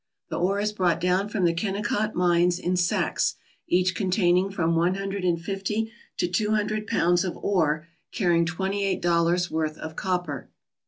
The ore is brought down from the Kennecott mines in sacks, each containing from one hundred and fifty to two hundred pounds of ore carrying twenty eight dollars' worth of copper.